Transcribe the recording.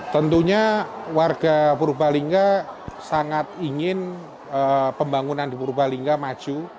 tentunya warga purbalingga sangat ingin pembangunan di purbalingga maju